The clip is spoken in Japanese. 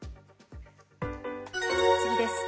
次です。